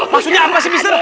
maksudnya apa sih mister